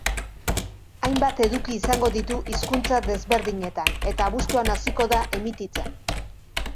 Hainbat eduki izango ditu hizkuntza desberdinetan eta abuztuan hasiko da emititzen.